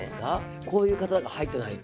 こういう方が入ってないと。